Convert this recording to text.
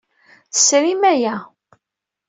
Tesrim aya.